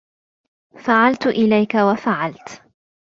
فَعَلْتُ إلَيْك وَفَعَلْتُ